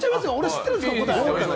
知ってるんですよ。